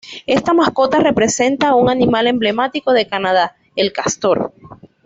Esta mascota representa a un animal emblemático de Canadá: el castor.